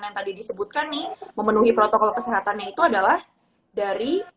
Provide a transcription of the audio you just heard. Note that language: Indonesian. yang tadi disebutkan nih memenuhi protokol kesehatannya itu adalah dari